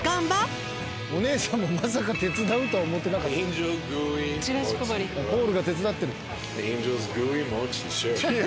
お姉さんもまさか手伝うとは思ってなかった。